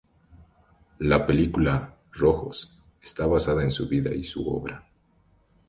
La película "Rojos" está basada en su vida y su obra.